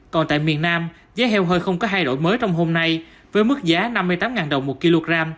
còn tại miền nam giá heo hơi không có thay đổi mới trong hôm nay với mức giá năm mươi tám đồng một kg